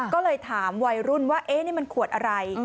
ก็เลยถามวัยรุ่นว่านี่มันขวดอะไร